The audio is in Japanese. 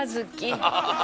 ハハハハ。